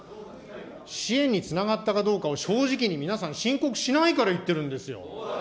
支援につながったかどうかを正直に皆さん、申告しないから言ってるんですよ。